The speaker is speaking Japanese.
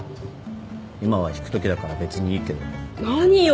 今は引くときだから別にいいけど。何よ？